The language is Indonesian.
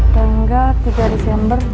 tanggal tiga desember dua ribu tujuh belas